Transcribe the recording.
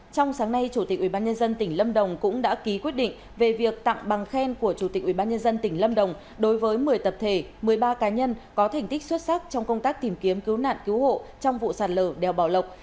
trong sáng nay chủ tịch ubnd tỉnh lâm đồng cũng đã ký quyết định về việc tặng bằng khen của chủ tịch ubnd tỉnh lâm đồng đối với một mươi tập thể một mươi ba cá nhân có thành tích xuất sắc trong công tác tìm kiếm cứu nạn cứu hộ trong vụ sạt lở đèo bảo lộc